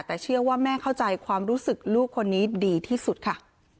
แต่เชื่อว่าแม่เข้าใจความรู้สึกลูกคนนี้ดีที่สุดค่ะ